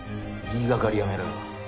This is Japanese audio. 言いがかりやめろよ。